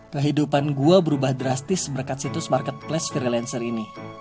kehidupan gue berubah drastis berkat situs marketplace freelancer ini